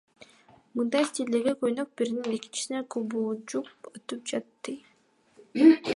Мындай стилдеги көйнөк биринен экинчисине кубулжуп өтүп жатты.